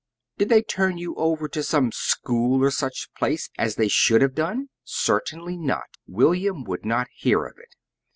Did they turn you over to some school or such place, as they should have done? Certainly not! William would not hear of it.